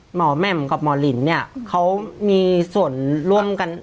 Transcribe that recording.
แหม่มกับหมอลินเนี่ยเขามีส่วนร่วมกัน